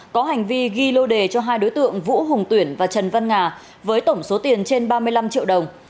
có hành vi ghi lô đề cho hai đối tượng vũ hùng tuyển và trần văn nga với tổng số tiền trên ba mươi năm triệu đồng